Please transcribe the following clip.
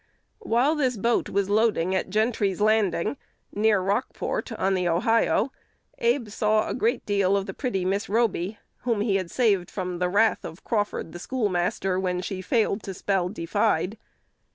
While this boat was loading at Gentry's Landing, near Rockport, on the Ohio, Abe saw a great deal of the pretty Miss Roby, whom he had saved from the wrath of Crawford the schoolmaster, when she failed to spell "defied."